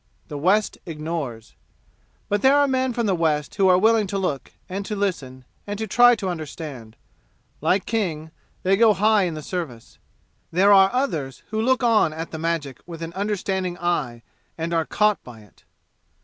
The West ignores. But there are men from the West who are willing to look and to listen and to try to understand; like King, they go high in the Service. There are others who look on at the magic with an understanding eye and are caught by it.